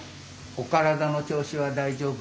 お体の調子は大丈夫？